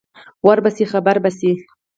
ور به شې خبر به شې.